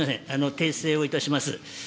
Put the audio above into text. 訂正をいたします。